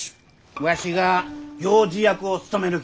わしが行司役を務めるき。